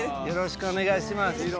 よろしくお願いします